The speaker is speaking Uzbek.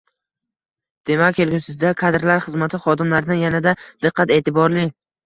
Demak, kelgusida kadrlar xizmati xodimlaridan yanada diqqat-e’tiborli